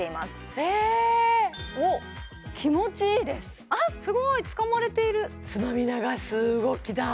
えーっおっあすごいつかまれているつまみ流す動きだ！